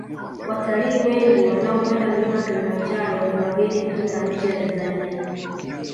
watalii wengi wanaopanda mlima kilimanjaro ni wageni kutoka nje ya tanzania